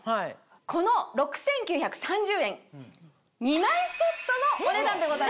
この６９３０円２枚セットのお値段でございます。